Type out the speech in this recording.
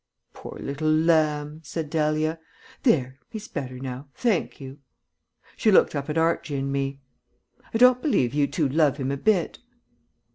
"Poor little lamb," said Dahlia. "There, he's better now, thank you." She looked up at Archie and me. "I don't believe you two love him a bit."